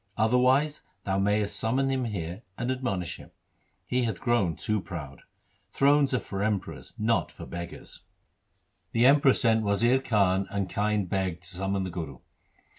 Otherwise thou mayest summon him here, and admonish him. He hath grown too proud. Thrones are for emperors, not for beggars.' 1 Suhi. LIFE OF GURU HAR GOBIND ii The Emperor sent Wazir Khan and Kind Beg to summon the Guru.